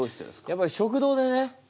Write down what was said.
やっぱり食堂でね